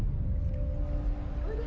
おいで！